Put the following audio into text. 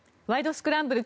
スクランブル」